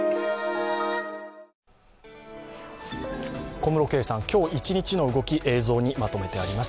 小室圭さん、今日一日の動き、映像にまとめてあります。